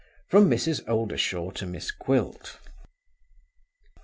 From Mrs. Oldershaw to Miss Gwilt.